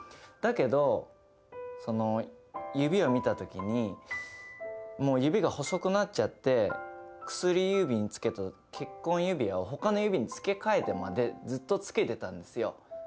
だけどその指を見た時にもう指が細くなっちゃって薬指につけてた結婚指輪を他の指につけ替えてまでずっとつけてたんですよ。